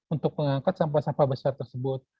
untuk mengangkat sampah sampah besar tersebut